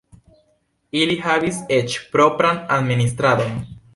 Ili havis eĉ propran administradon.